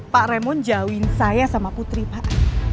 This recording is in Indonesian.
pak remon jauhin saya sama putri pak